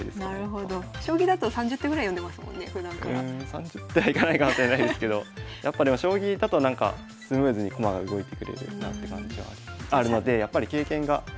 ３０手はいかないかもしれないですけどやっぱでも将棋だとなんかスムーズに駒が動いてくれるなって感じはあるのでじゃ